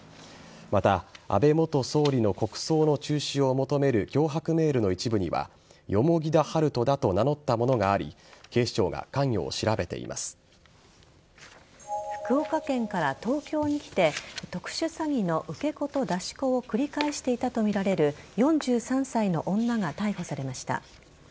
また安倍元総理の国葬の中止を求める脅迫メールの一部には蓬田治都だと名乗ったものがあり福岡県から東京に来て特殊詐欺の受け子と出し子を繰り返していたとみられる４３歳の女が逮捕されました。